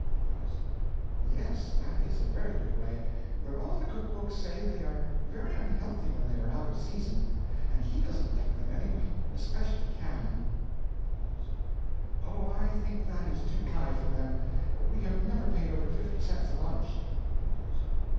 Pause. Yes, that is a very good way; but all the cook books say they are very unhealthy when they are out of season. And_ he_ doesn't like them, anyway especially canned. Pause. Oh, I think that is too high for them; we have never paid over fifty cents a bunch. Pause.